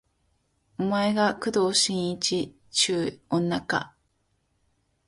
お前が工藤新一っちゅう女か